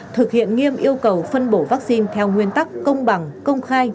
thực hiện nghiêm yêu cầu phân bổ vaccine theo nguyên tắc công bằng công khai